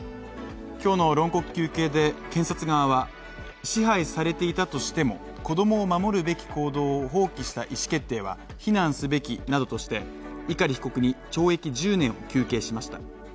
今日の論告求刑で検察側は支配されていたとしても、子供を守るべき行動を放棄した意思決定は非難すべきなどとして、碇被告に懲役１０年を求刑しました。